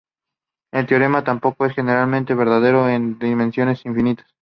El teorema tampoco es generalmente verdadero en dimensiones infinitas.